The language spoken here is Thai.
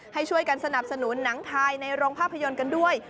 ให้ช่วยกันสนับสนุนหนังไทยในโรงภาพยนตร์กันด้วย